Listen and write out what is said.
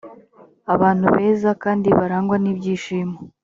abantu beza kandi barangwa n‘ibyishimo